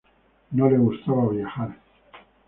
No le gustaba viajar.